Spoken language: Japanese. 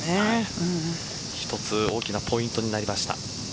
一つ大きなポイントになりました。